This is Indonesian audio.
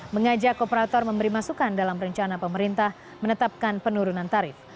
mengajak operator memberi masukan dalam rencana pemerintah menetapkan penurunan tarif